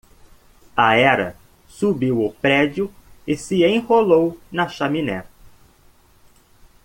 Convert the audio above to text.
A hera subiu o prédio e se enrolou na chaminé.